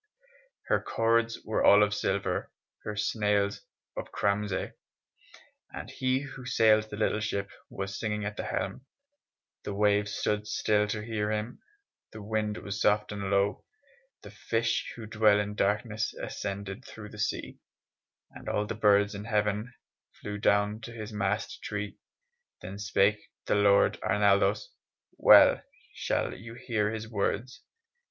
Her cords were all of silver, Her sails of cramasy; And he who sailed the little ship Was singing at the helm; The waves stood still to hear him, The wind was soft and low; The fish who dwell in darkness Ascended through the sea, And all the birds in heaven Flew down to his mast tree. Then spake the Lord Arnaldos, (Well shall you hear his words!)